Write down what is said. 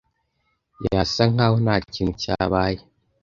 Yasa nkaho ntakintu cyabaye.